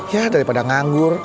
ya daripada nganggur